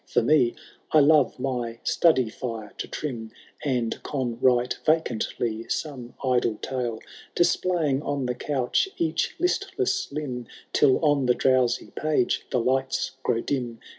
For me, I love my study fire to trim. And con right vacantly some idle tale, Displaying on the couch each listless limb. Till on the drowsy page the lights grow dim.